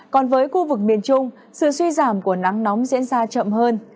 còn với khu vực miền trung sự suy giảm của nắng nóng diễn ra chậm hơn